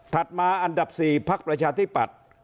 มาอันดับ๔พักประชาธิปัตย์